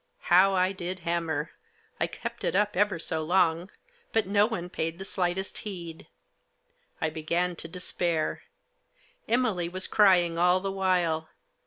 How I did hanuser ! I kept it up ever so long ; but no one paid the slightest heed. I began to despair. Emily was crying all the while.